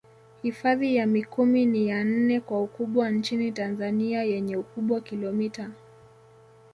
Hifadhi ya Mikumi ni ya nne kwa ukubwa nchini Tanzania yenye ukubwa kilomita